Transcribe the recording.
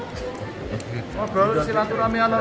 pak brawo silaturahmi hati